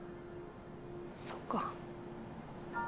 そっか。